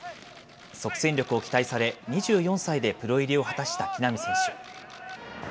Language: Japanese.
即戦力を期待され、２４歳でプロ入りを果たした木浪選手。